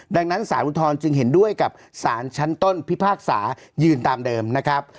ดังนั้นสารอุทธรณ์จึงเห็นด้วยกับสารชั้นต้นพิพากษายืนตามเดิมนะครับ